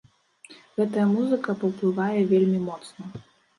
Гэтая музыка паўплывае вельмі моцна.